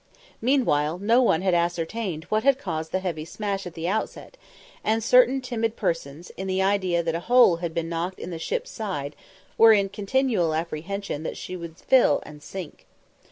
Meanwhile no one had ascertained what had caused the heavy smash at the outset, and certain timid persons, in the idea that a hole had been knocked in the ship's side, were in continual apprehension that she would fill and sink.